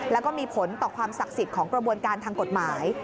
แล้วก็มีผลต่อความศักดิ์สิทธิ์ของกระบวนการทางกฎหมาย